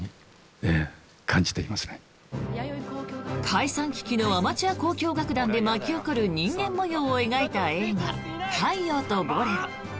解散危機のアマチュア交響楽団で巻き起こる人間模様を描いた映画「太陽とボレロ」。